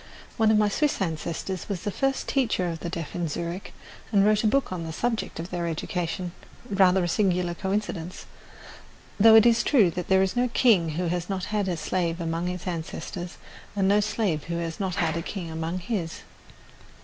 One of my Swiss ancestors was the first teacher of the deaf in Zurich and wrote a book on the subject of their education rather a singular coincidence; though it is true that there is no king who has not had a slave among his ancestors, and no slave who has not had a king among his.